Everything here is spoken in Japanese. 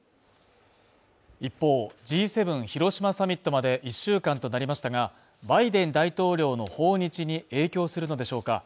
一方、Ｇ７広島サミットまで１週間となりましたが、バイデン大統領の訪日に影響するのでしょうか？